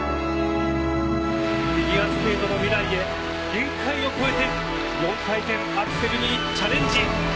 フィギュアスケートの未来へ限界を越えて４回転アクセルにチャレンジ。